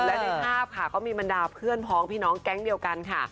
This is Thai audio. และในภาพค่ะก็มีบรรดาเพื่อนพ้องพี่น้องแก๊งเดียวกันค่ะ